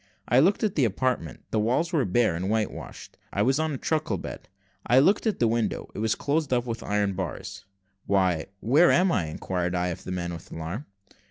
I looked at the apartment: the walls were bare and white washed. I was on a truckle bed. I looked at the window it was closed up with iron bars. "Why, where am I?" inquired I of the man, with alarm.